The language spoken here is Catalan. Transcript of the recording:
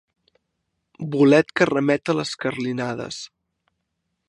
Bolet que remet a les carlinades.